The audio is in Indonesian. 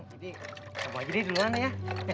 jadi sama aja deh duluan ya